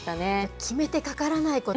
決めてかからないこと。